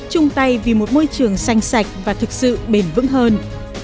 chung tay vì một môi trường xanh sạch và thực sự bền vững hơn